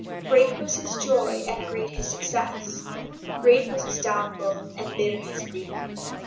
Great was his joy and great his success, great was his downfall and bitter his grief.